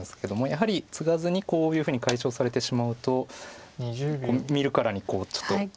やはりツガずにこういうふうに解消されてしまうと見るからにちょっと。